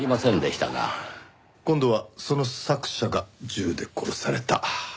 今度はその作者が銃で殺された。